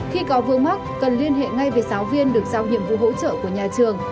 khi có vương mắc cần liên hệ ngay với giáo viên được giao nhiệm vụ hỗ trợ của nhà trường